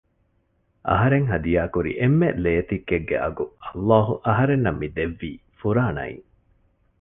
އަހަރެން ހަދިޔާކުރި އެންމެ ލޭތިއްކެއްގެ އަގު ﷲ އަހަރެންނަށް މިދެއްވީ ފުރާނައިން